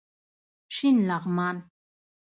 شین لغمان